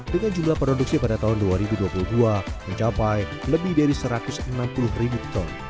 dengan jumlah produksi pada tahun dua ribu dua puluh dua mencapai lebih dari satu ratus enam puluh ribu ton